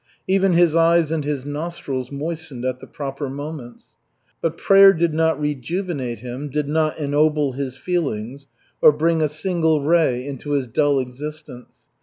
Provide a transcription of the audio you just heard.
Even his eyes and his nostrils moistened at the proper moments. But prayer did not rejuvenate him, did not ennoble his feelings, or bring a single ray into his dull existence.